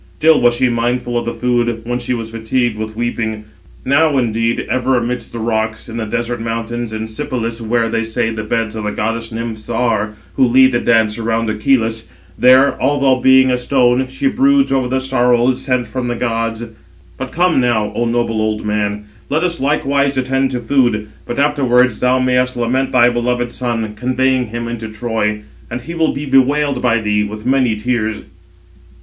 Still was she mindful of food, when she was fatigued with weeping. Now, indeed, ever amidst the rocks, in the desert mountains, in Sipylus, where, they say, the beds of the goddess Nymphs are, who lead the dance around Acheloüs, there, although being a stone, she broods over the sorrows [sent] from the gods. But come now, O noble old man, let us likewise attend to food, but afterwards thou mayest lament thy beloved son, conveying him into Troy; and he will be bewailed by thee with many tears."